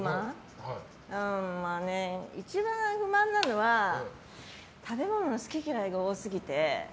一番不満なのは食べ物の好き嫌いが多すぎて。